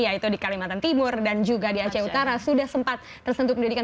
yaitu di kalimantan timur dan juga di aceh utara sudah sempat tersentuh pendidikan